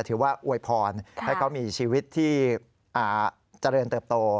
ถือว่าอวยพรให้เขามีชีวิตที่เจริญเติบโต